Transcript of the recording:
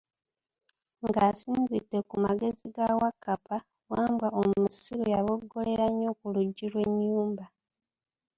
Nga asinzidde ku magezi ga Wakkappa, Wambwa omusiru yaboggolera nnyo ku luggi lwe enyumba.